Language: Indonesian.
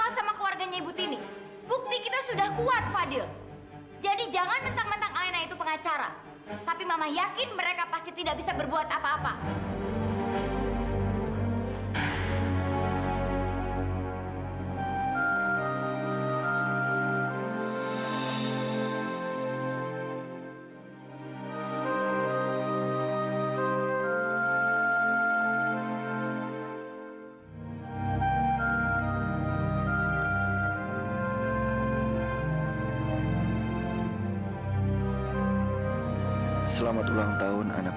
sampai jumpa di video selanjutnya